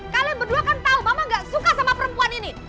kalian berdua kan tahu mama gak suka sama perempuan ini